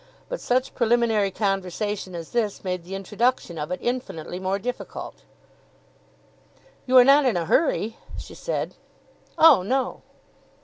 But such preliminary conversation as this made the introduction of it infinitely more difficult. "You are not in a hurry?" she said. "Oh no."